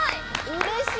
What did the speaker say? うれしい！